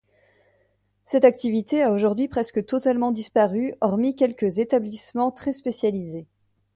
Cette activité a aujourd'hui presque totalement disparue hormis quelques établissements très spécialisés.